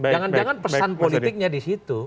jangan jangan pesan politiknya di situ